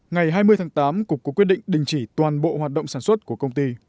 ngày hai mươi tháng tám cục cũng quyết định đình chỉ toàn bộ hoạt động sản xuất của công ty